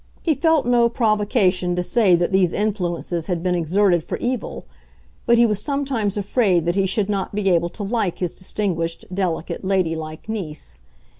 He felt no provocation to say that these influences had been exerted for evil; but he was sometimes afraid that he should not be able to like his distinguished, delicate, lady like niece.